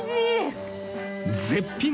絶品！